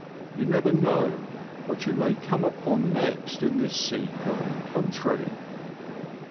You never know what you may come upon next in this seed growing country.